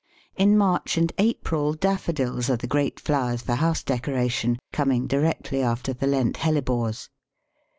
In March and April Daffodils are the great flowers for house decoration, coming directly after the Lent Hellebores.